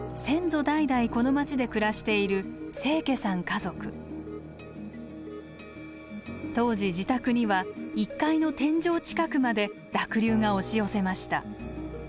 先祖代々この町で暮らしている当時自宅には１階の天井近くまで濁流が押し寄せました。